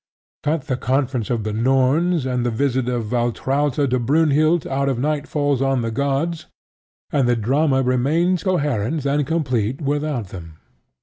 Cut the conference of the Norns and the visit of Valtrauta to Brynhild out of Night Falls On The Gods, and the drama remains coherent and complete without them.